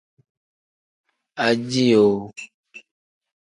Ajihoo.